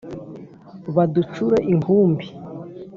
Baducure inkumbi